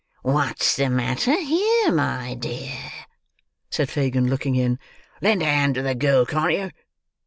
"What's the matter here, my dear?" said Fagin, looking in. "Lend a hand to the girl, can't you?"